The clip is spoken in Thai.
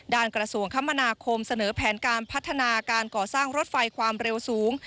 กระทรวงคมนาคมเสนอแผนการพัฒนาการก่อสร้างรถไฟความเร็วสูง